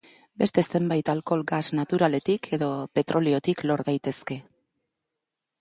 Beste zenbait alkohol gas naturaletik edo petroliotik lor daitezke.